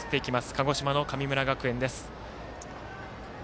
鹿児島の神村学園です。